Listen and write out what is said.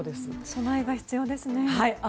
備えが必要ですね。